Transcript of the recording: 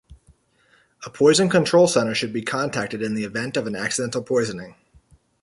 A poison control center should be contacted in the event of an accidental poisoning.